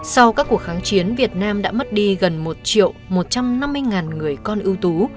sau các cuộc kháng chiến việt nam đã mất đi gần một triệu một trăm năm mươi người con ưu tú